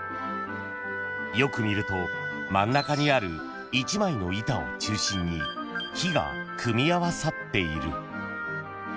［よく見ると真ん中にある１枚の板を中心に木が組み合わさっている］